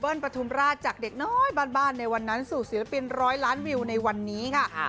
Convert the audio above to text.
ประทุมราชจากเด็กน้อยบ้านในวันนั้นสู่ศิลปินร้อยล้านวิวในวันนี้ค่ะ